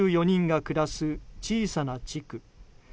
１１４人が暮らす小さな地区。